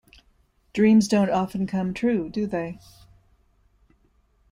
Dreams don’t often come true, do they?